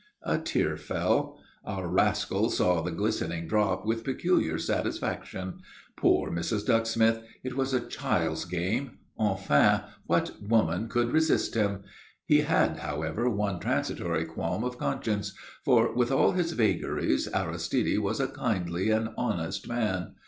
A tear fell. Our rascal saw the glistening drop with peculiar satisfaction. Poor Mrs. Ducksmith! It was a child's game. Enfin, what woman could resist him? He had, however, one transitory qualm of conscience, for, with all his vagaries, Aristide was a kindly and honest man.